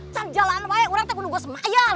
jalan jalan banyak orang tuh mau gue semayar